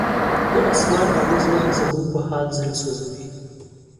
نه اسمان او نه ځمکه زموږ په حال زړه سوځوي.